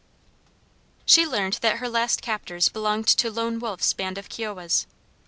She learned that her last captors belonged to "Lone Wolf's" band of Kiowas.